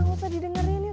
gausah didengerin yuk